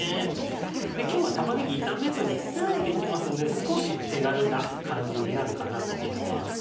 今日は玉ねぎ炒めずに作っていきますので少し手軽な感じになるかなと思います。